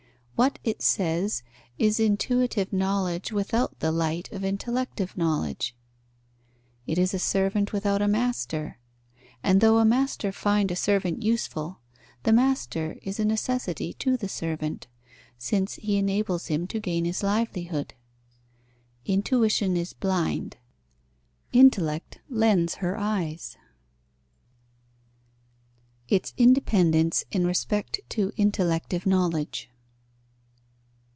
What, it says, is intuitive knowledge without the light of intellective knowledge? It is a servant without a master; and though a master find a servant useful, the master is a necessity to the servant, since he enables him to gain his livelihood. Intuition is blind; Intellect lends her eyes. _Its independence in respect to intellective knowledge.